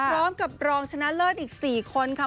พร้อมกับรองชนะเลิศอีก๔คนค่ะ